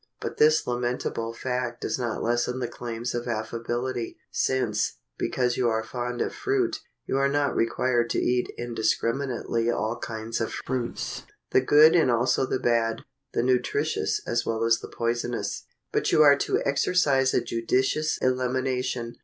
But this lamentable fact does not lessen the claims of affability, since, because you are fond of fruit, you are not required to eat indiscriminately all kinds of fruits, the good and also the bad, the nutritious as well as the poisonous, but you are to exercise a judicious elimination.